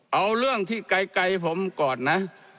เอาเรื่องที่ไกลผมก่อนนะ